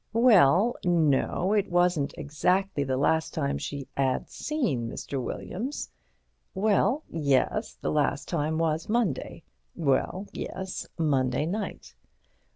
Well, no, it wasn't exactly the last time she 'ad seen Mr. Williams. Well, yes, the last time was Monday—well, yes, Monday night.